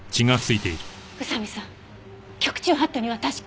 宇佐見さん局中法度には確か。